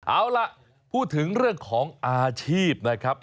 เอาล่ะพูดถึงเรื่องของอาชีพนะครับ